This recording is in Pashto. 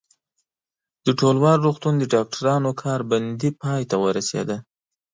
د ټولوال روغتون د ډاکټرانو کار بندي پای ته ورسېده.